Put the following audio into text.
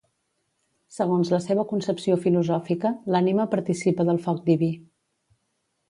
Segons la seva concepció filosòfica, l'ànima participa del foc diví.